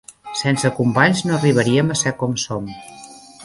Sense companys no arribaríem a ser com som.